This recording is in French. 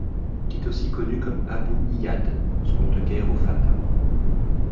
Il est aussi connu comme Abou Iyad, son nom de guerre au Fatah.